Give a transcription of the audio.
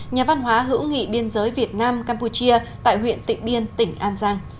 nhà văn hóa hữu nghị biên giới việt nam campuchia tại huyện tịnh biên tỉnh an giang